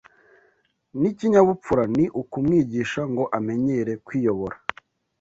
n’ikinyabupfura ni ukumwigisha ngo amenyere kwiyobora